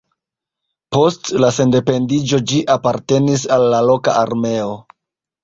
Post la sendependiĝo ĝi apartenis al la loka armeo.